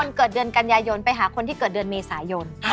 เกิดเดือนกันยายนไปหาคนที่เกิดเดือนเมษายน